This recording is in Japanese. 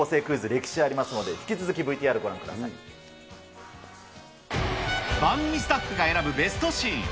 歴史ありますので、引き続き番組スタッフが選ぶベストシーン。